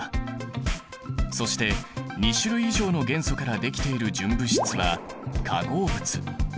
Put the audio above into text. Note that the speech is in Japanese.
そして２種類以上の元素からできている純物質は化合物。